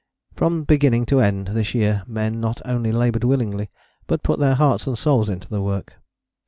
From beginning to end of this year men not only laboured willingly, but put their hearts and souls into the work.